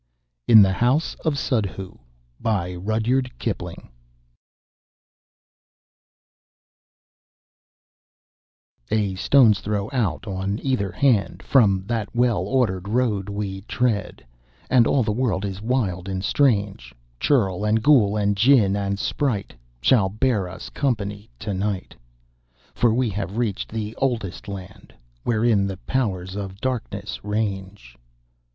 In the House of Suddhoo A stone's throw out on either hand From that well ordered road we tread, And all the world is wild and strange; Churel and ghoul and Djinn and sprite Shall bear us company to night, For we have reached the Oldest Land Wherein the Powers of Darkness range.